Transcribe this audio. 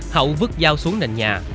hậu vứt dao xuống nền nhà